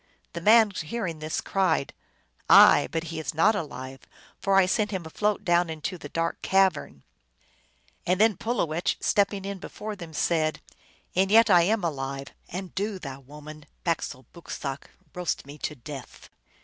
The man, hearing this, cried, " Aye ; but he is not alive, for I sent him afloat down into the dark cavern !" And then Pulowech, stepping in before them, said, " And yet I am alive. And do thou, woman, bak sole boksooc!" (roast me to death).